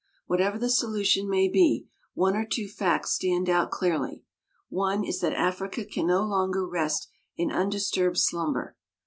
Whatever the solution may be, one or two facts stand out clearly. One is that Africa can no longer rest in undis turbed slumber.